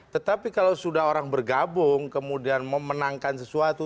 tetapi kalau sudah orang bergabung kemudian memenangkan sesuatu